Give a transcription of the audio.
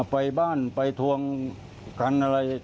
ไปบ้านไปทวงกันอะไร